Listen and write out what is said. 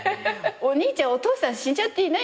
「お兄ちゃんお父さん死んじゃっていないんだよ」